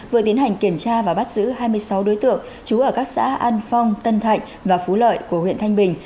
vừa tiến hành kiểm tra và bắt giữ hai mươi sáu đối tượng trú ở các xã an phong tân thạnh và phú lợi của huyện thanh bình